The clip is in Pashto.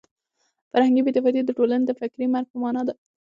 فرهنګي بې تفاوتي د ټولنې د فکري مرګ په مانا ده.